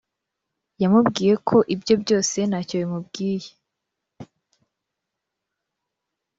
yamubwiye ko ibyo byose ntacyo bimubwiye